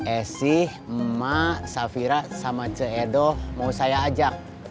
esi mak safira sama ceedo mau saya ajak